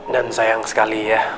dan sayang sekali ya